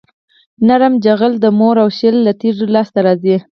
نرم جغل د مورم او شیل له تیږو لاسته راځي